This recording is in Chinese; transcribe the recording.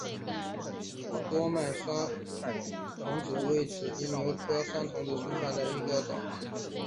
多脉酸藤子为紫金牛科酸藤子属下的一个种。